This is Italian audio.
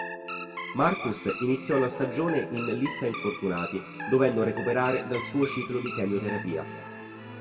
Marcus iniziò la stagione in lista infortunati dovendo recuperare dal suo ciclo di chemioterapia.